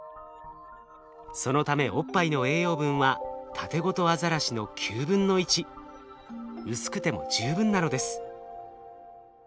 そのためおっぱいの栄養分はタテゴトアザラシの９分の１。薄くても十分なのです。